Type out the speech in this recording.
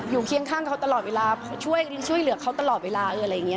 เคียงข้างเขาตลอดเวลาช่วยเหลือเขาตลอดเวลาอะไรอย่างนี้